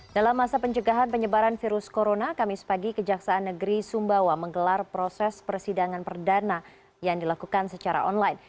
dalam masa pencegahan penyebaran virus corona kamis pagi kejaksaan negeri sumbawa menggelar proses persidangan perdana yang dilakukan secara online